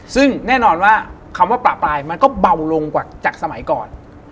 ซึ่งแน่นอนว่าคำว่าประปรายมันก็เบาลงกว่าจากสมัยก่อน